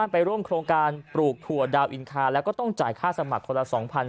ไปร่วมโครงการปลูกถั่วดาวอินคาแล้วก็ต้องจ่ายค่าสมัครคนละ๒๐๐